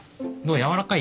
軟らかい？